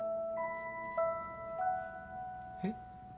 えっ？